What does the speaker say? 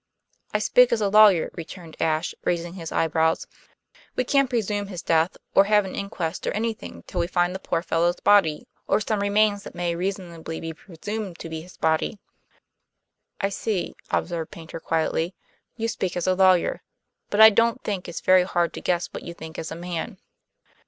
"I speak as a lawyer," returned Ashe, raising his eyebrows. "We can't presume his death, or have an inquest or anything till we find the poor fellow's body, or some remains that may reasonably be presumed to be his body." "I see," observed Paynter quietly. "You speak as a lawyer; but I don't think it's very hard to guess what you think as a man."